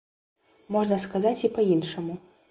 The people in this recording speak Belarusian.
Можна сказаць і па-іншаму.